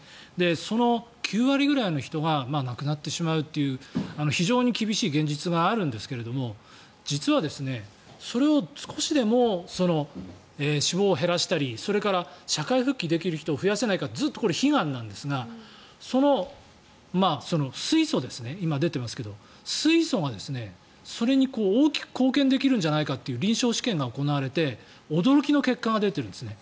その９割ぐらいの人が亡くなってしまうという非常に厳しい現実があるんですが実はそれを、少しでも死亡を減らしたりそれから社会復帰できる人を増やせないかずっとこれ、悲願なんですが水素ですね、今出ていますが水素が、それに大きく貢献できるんじゃないかという臨床試験が行われて驚きの結果が出ているんですね。